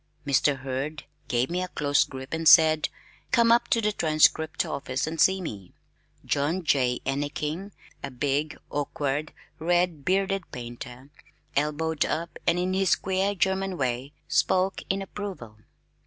Mr. Hurd gave me a close grip and said, "Come up to the Transcript office and see me." John J. Enneking, a big, awkward red bearded painter, elbowed up and in his queer German way spoke in approval.